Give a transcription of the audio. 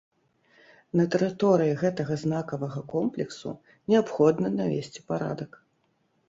На тэрыторыі гэтага знакавага комплексу неабходна навесці парадак.